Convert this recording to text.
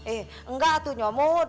eh enggak tuh nyamut